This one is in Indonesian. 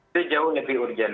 itu jauh lebih urgen